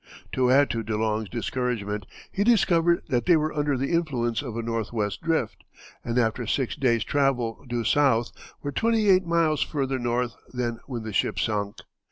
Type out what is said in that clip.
To add to De Long's discouragement he discovered that they were under the influence of a northwest drift, and after six days' travel due south were twenty eight miles further north than when the ship sunk.